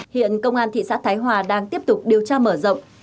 hiện công an thị xã thái hòa đang tiếp tục điều tra mở rộng